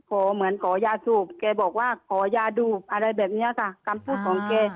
เหมือนขอยาสูบแกบอกว่าขอยาดูอะไรแบบนี้ค่ะคำพูดของแก